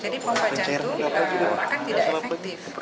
jadi pompa jantung akan tidak efektif